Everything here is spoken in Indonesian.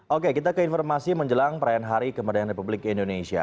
oke kita ke informasi menjelang perayaan hari kemerdekaan republik indonesia